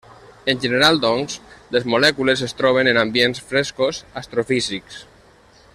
En general, doncs, les molècules es troben en ambients frescos astrofísics.